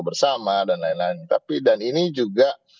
bersama dan lain lain tapi dan ini juga